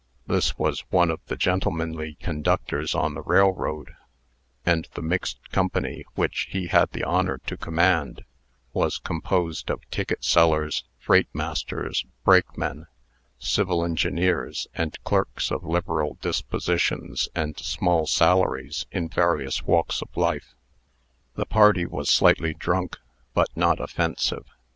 This was one of the gentlemanly conductors on the railroad; and the mixed company which he had the honor to command, was composed of ticket sellers, freight masters, brakemen, civil engineers, and clerks of liberal dispositions and small salaries in various walks of life. The party was slightly drunk, but not offensive.